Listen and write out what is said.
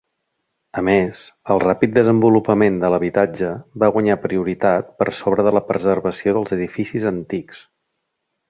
A més, el ràpid desenvolupament de l'habitatge va guanyar prioritat per sobre de la preservació dels edificis antics.